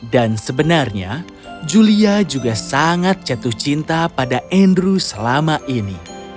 dan sebenarnya julia juga sangat jatuh cinta pada andrew selama ini